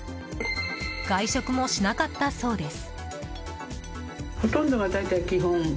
外食もしなかったそうです。